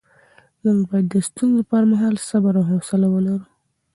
موږ باید د ستونزو پر مهال صبر او حوصله ولرو